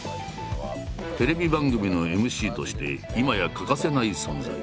テレビ番組のＭＣとしていまや欠かせない存在。